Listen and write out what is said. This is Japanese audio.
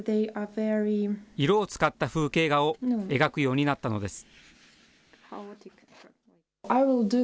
色を使った風景画を描くようになったのです。